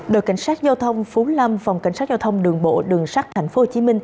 đội cảnh sát giao thông phú lâm phòng cảnh sát giao thông đường bộ đường sắt tp hcm